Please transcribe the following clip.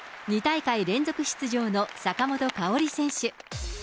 ２大会連続出場の坂本花織選手。